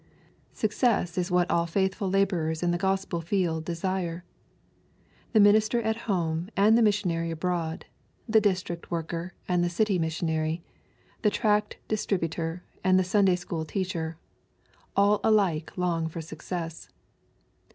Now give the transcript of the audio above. Success is what all faithful labor ers in the Gospel field desire. The minister at home and the missionary abroad, the district visitor and the city missionary, the tract distributor and the Sunday school teacher, all alike long for success.